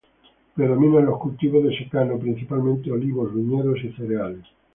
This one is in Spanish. Predominan los cultivos de secano, principalmente olivos, viñedos y cereales.